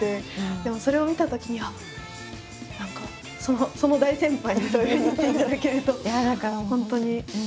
でもそれを見たときに何かその大先輩にそういうふうに言っていただけると本当に励みになります。